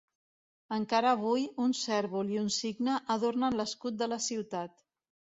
Encara avui, un cérvol i un cigne adornen l'escut de la ciutat.